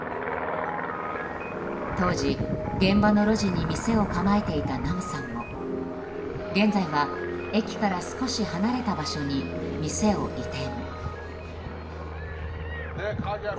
当時、現場の路地に店を構えていたナムさんも現在は、駅から少し離れた場所に店を移転。